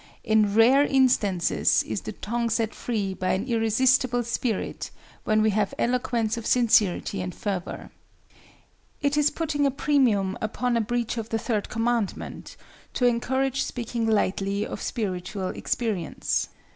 In rare instances is the tongue set free by an irresistible spirit, when we have eloquence of sincerity and fervor. It is putting a premium upon a breach of the third commandment to encourage speaking lightly of spiritual experience.